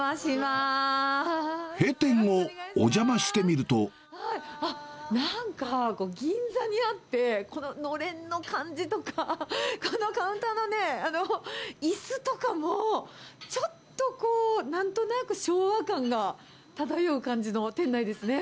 閉店後、なんか、銀座にあって、こののれんの感じとか、このカウンターのね、いすとかも、ちょっとこう、なんとなく昭和感が漂う感じの店内ですね。